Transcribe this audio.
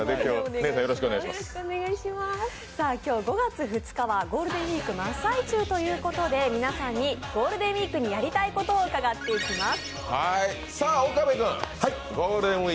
今日５月２日はゴールデンウイーク真っ最中ということで、皆さんにゴールデンウイークにやりたいことを伺っていきます。